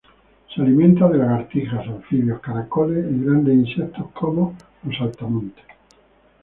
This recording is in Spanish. Se alimenta de lagartijas, anfibios, caracoles y grandes insectos como los saltamontes.